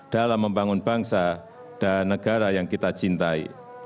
dalam membangun bangsa dan negara yang kita cintai